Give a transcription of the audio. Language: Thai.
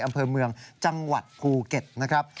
อำเภอเมืองจังหวัดภูเก็ตนะครับ